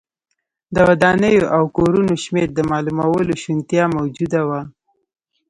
د ودانیو او کورونو شمېر د معلومولو شونتیا موجوده وه.